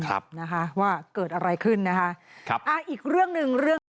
ครับนะคะว่าเกิดอะไรขึ้นนะคะครับอ่าอีกเรื่องหนึ่งเรื่องที่